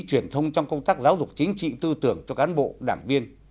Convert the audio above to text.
truyền thông trong công tác giáo dục chính trị tư tưởng cho cán bộ đảng viên